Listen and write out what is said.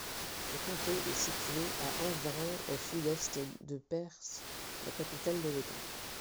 Le comté est situé à environ au sud-est de Perth, la capitale de l'État.